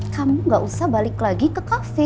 kamu gak usah balik lagi ke kafe